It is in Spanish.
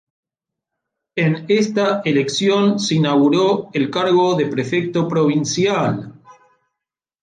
En esta elección se inauguró el cargo de prefecto provincial